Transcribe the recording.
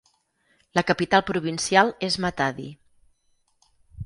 La capital provincial és Matadi.